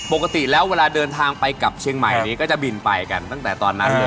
ปกติแล้วเวลาเดินทางไปกลับเชียงใหม่นี้ก็จะบินไปกันตั้งแต่ตอนนั้นเลย